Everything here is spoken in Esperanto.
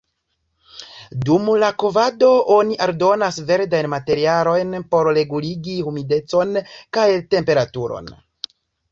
Dum la kovado oni aldonas verdajn materialojn por reguligi humidecon kaj temperaturon.